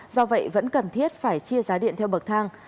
do vậy vẫn cần thiết phải chia giá điện theo bậc thang